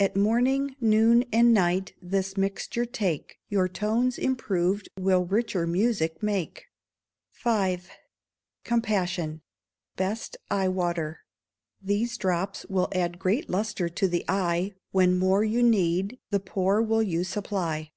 _ At morning, noon, and night this mixture take, Your tones, improved, will richer music make. v. Compassion Best Eye water. These drops will add great lustre to the eye; When more you need, the poor will you supply.